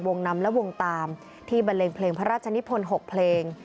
นำและวงตามที่บันเลงเพลงพระราชนิพล๖เพลง